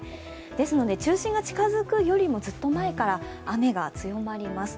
ですので中心が近づくよりもずっと前から雨が強まります。